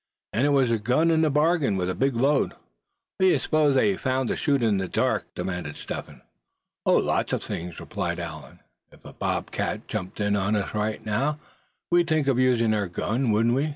"And it was a gun in the bargain, with a big load. What d'ye s'pose they could find to shoot at in the dark?" demanded Step Hen. "Oh! lots of things," replied Allan. "If a bobcat jumped in on us right now, we'd think of using our gun, wouldn't we?